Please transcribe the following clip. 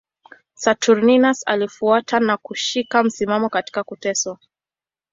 Saturninus alifuata na kushika msimamo katika kuteswa.